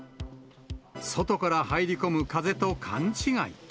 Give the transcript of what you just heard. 外から入り込む風と勘違い。